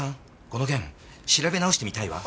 この件調べ直してみたいわ！